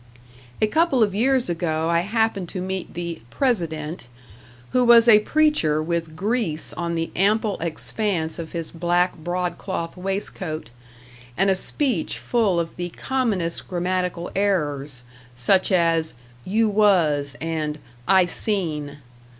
A couple of years ago I happened to meet the "president," who was a preacher with grease on the ample expanse of his black broadcloth waistcoat, and a speech full of the commonest grammatical errors, such as "you was" and "I seen".